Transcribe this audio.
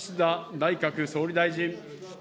内閣総理大臣。